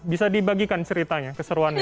bisa dibagikan ceritanya keseruannya